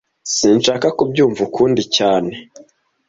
Sinshaka kubyumva ukundi cyane